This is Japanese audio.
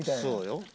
そうよ。